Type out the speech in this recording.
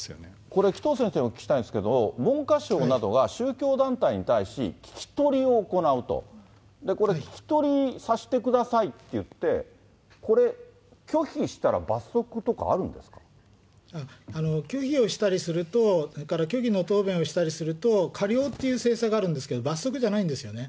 これ、紀藤先生にお聞きしたいんですけれども、文科省などが宗教団体に対し、聞き取りを行うと、これ、聞き取りさせてくださいっていって、これ、拒否したら罰則とかあ拒否をしたりすると、それから拒否の答弁をしたりすると、かりょうっていう制裁はあるんですけど、罰則じゃないんですよね。